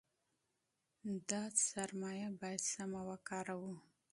دا سرمایه باید سمه وکاروو.